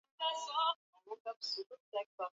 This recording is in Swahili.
Washia ambao wanaishi hasa katika eneo la mashariki